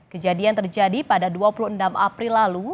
kejadian terjadi pada dua puluh enam april lalu